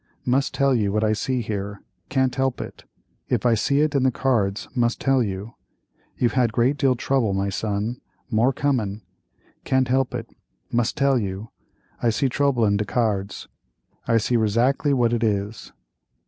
Must tell you what I see here—can't help it—if I see it in the cards, must tell you. You've had great deal trouble, my son; more comin'. Can't help it; mus' tell you. I see trouble in de cards; I see razackly what it is."